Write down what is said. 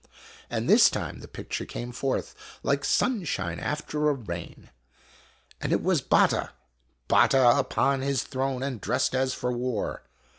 And this time the picture came forth like sunshine after a rain ; and it was Batta Batta upon his throne, and dressed as for war.